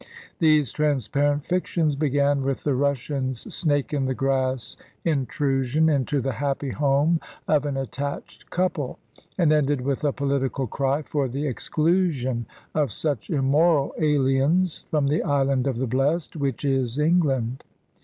These transparent fictions began with the Russian's snake in the grass intrusion into the happy home of an attached couple, and ended with a political cry for the exclusion of such immoral aliens from the Island of the Blest, which is England.